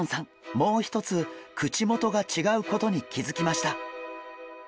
もう一つ口元が違うことに気付きました。